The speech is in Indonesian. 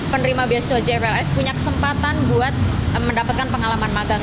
penerima beasiswa jfls punya kesempatan buat mendapatkan pengalaman magang